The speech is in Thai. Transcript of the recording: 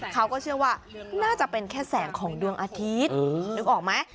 เขาก็เชื่อว่าน่าจะเป็นแค่แสงของดวงอาทิตย์นึกออกไหม